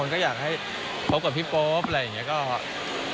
บางคนก็อยากให้ครอบกับพี่ป๊อบอะไรอย่างนี้